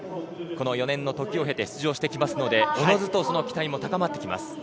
この４年の時を経て出場してきますのでおのずとその期待も高まってきます。